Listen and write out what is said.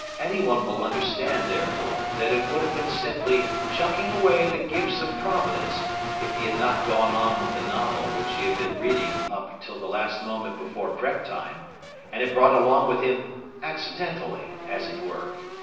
Any one will understand, therefore, that it would have been simply chucking away the gifts of Providence if he had not gone on with the novel which he had been reading up till the last moment before prep time, and had brought along with him accidentally, as it were.